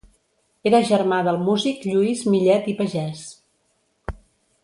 Era germà del músic Lluís Millet i Pagès.